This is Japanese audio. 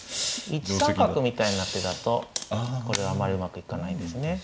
１三角みたいな手だとこれはあんまりうまくいかないですね。